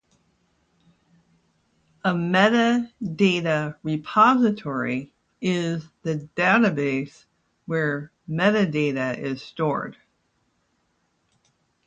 A metadata repository is the database where metadata is stored.